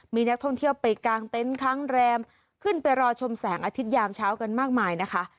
มีนักท่องเที่ยวไปกางเต็นต์ค้างแรมขึ้นไปรอชมแสงอาทิตยามเช้ากันมากมายนะคะ